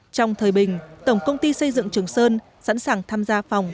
trong thời bình tổng công ty xây dựng trường sơn sẵn sàng tham gia phòng